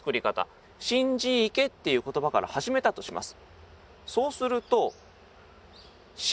「心字池」っていう言葉から始めたとします。